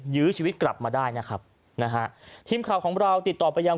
ยื้อชีวิตกลับมาได้นะครับนะฮะทีมข่าวของเราติดต่อไปยัง